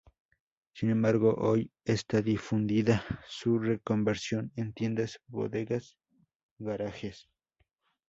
Sin embargo, hoy está difundida su reconversión en tiendas, bodegas, garajes...